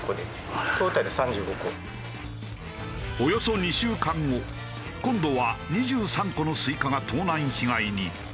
およそ２週間後今度は２３個のスイカが盗難被害に。